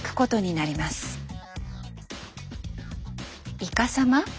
いかさま？